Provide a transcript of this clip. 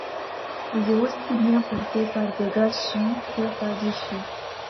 Il est aussi bien porté par des garçons que par des filles.